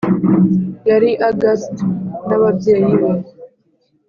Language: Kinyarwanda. yari august n’ababyeyi be